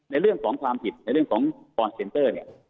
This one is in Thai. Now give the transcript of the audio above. ในเรื่องของความผิดในเรื่องของเนี่ยเอ่อ